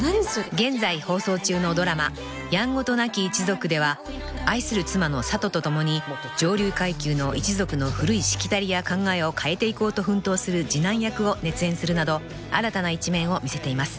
［現在放送中のドラマ『やんごとなき一族』では愛する妻の佐都と共に上流階級の一族の古いしきたりや考えを変えていこうと奮闘する次男役を熱演するなど新たな一面を見せています］